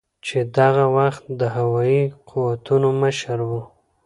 چې د هغه وخت د هوایي قوتونو مشر ؤ